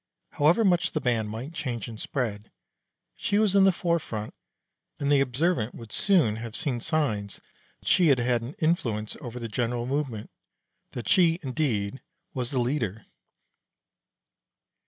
However much the band might change and spread, she was in the forefront, and the observant would soon have seen signs that she had an influence over the general movement that she, indeed, was the leader.